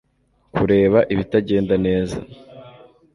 kureba ibitagenda neza